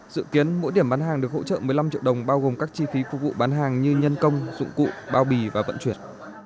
dự kiến mỗi điểm bán hàng được hỗ trợ một mươi năm triệu đồng bao gồm các chi phí phục vụ bán hàng như nhân công dụng cụ bao bì và vận chuyển